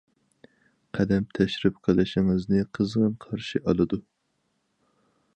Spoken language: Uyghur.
قەدەم تەشرىپ قىلىشىڭىزنى قىزغىن قارشى ئالىدۇ.